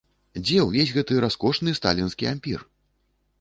Дзе увесь гэты раскошны сталінскі ампір?